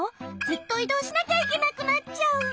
ずっといどうしなきゃいけなくなっちゃう。